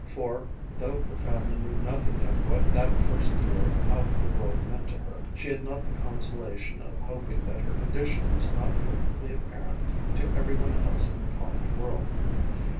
For, though her family knew nothing of what that first year out in the world meant to her, she had not the consolation of hoping that her condition was not perfectly apparent to every one else in the college world.